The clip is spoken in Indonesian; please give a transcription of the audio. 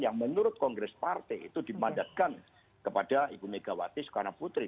yang menurut kongres partai itu dimandatkan kepada ibu megawati soekarno putri